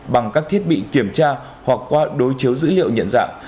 bằng các thiết bị kiểm tra hoặc qua đối chiếu dữ liệu nhận dạng